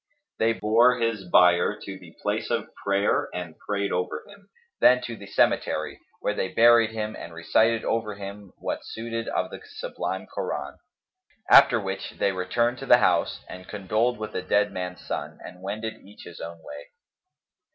They bore his bier to the place of prayer and prayed over him, then to the cemetery, where they buried him and recited over him what suited of the sublime Koran; after which they returned to the house and condoled with the dead man's son and wended each his own way.